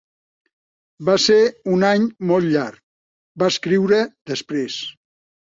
"Va ser un any molt llarg", va escriure després.